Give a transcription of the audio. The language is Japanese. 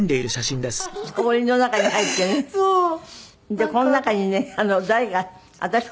でこの中にね誰か。